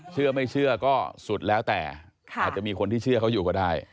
เชื่อไม่เชื่อก็สุดแล้วแต่อาจจะมีคนที่เชื่อเขาอยู่ก็ได้